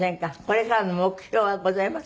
これからの目標はございますか？